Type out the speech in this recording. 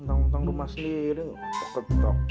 tentang rumah sendiri ketok ketok